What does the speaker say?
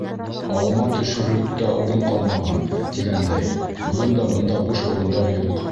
Алма төшөрлөк тә урын ҡалмаған, тигәндәй, бөгөн дә бында буш урындар юҡ.